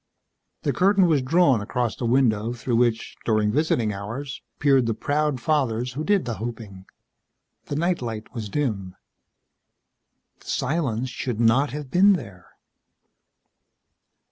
The curtain was drawn across the window through which, during visiting hours, peered the proud fathers who did the hoping. The night light was dim. The silence should not have been there.